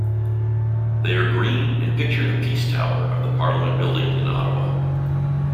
They are green, and picture the Peace Tower of the Parliament building in Ottawa.